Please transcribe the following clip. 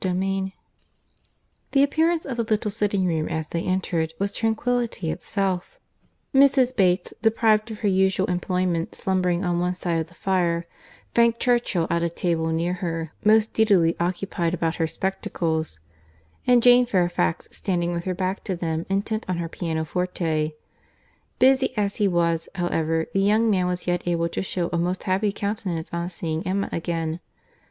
CHAPTER X The appearance of the little sitting room as they entered, was tranquillity itself; Mrs. Bates, deprived of her usual employment, slumbering on one side of the fire, Frank Churchill, at a table near her, most deedily occupied about her spectacles, and Jane Fairfax, standing with her back to them, intent on her pianoforte. Busy as he was, however, the young man was yet able to shew a most happy countenance on seeing Emma again.